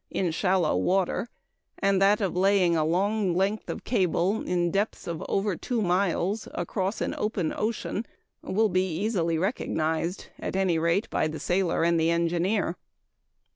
in shallow water, and that of laying a long length of cable in depths of over two miles across an open ocean will be easily recognized at any rate, by the sailor and engineer.